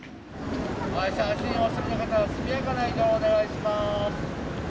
写真お済みの方は、速やかな移動をお願いします。